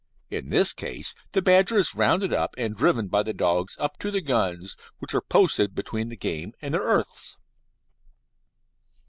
In this case the badger is rounded up and driven by the dogs up to the guns which are posted between the game and their earths.